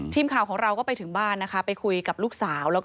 ทีมข่าวของเราก็ไปถึงบ้านนะคะไปคุยกับลูกสาวแล้วก็